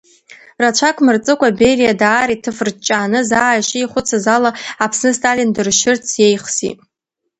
Рацәак мырҵыкәа Бериа даара иҭырфыҷааны заа ишихәыцыз ала, Аԥсны Сталин дыршьырц иеихсит.